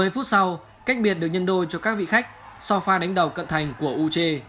một mươi phút sau cách biệt được nhân đôi cho các vị khách sau pha đánh đầu cận thành của uch